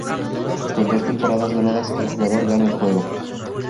Con dos temporadas ganadas, el jugador gana el juego.